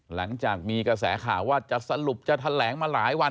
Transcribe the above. หลังจากมีกระแสข่าวว่าจะสรุปจะแถลงมาหลายวัน